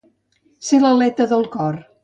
Ser l'aleta del cor.